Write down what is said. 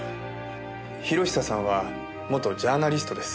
博久さんは元ジャーナリストです。